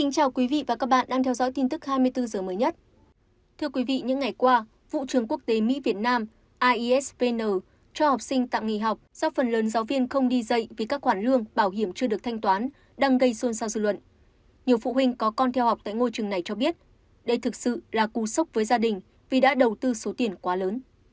chào mừng quý vị đến với bộ phim hãy nhớ like share và đăng ký kênh của chúng mình nhé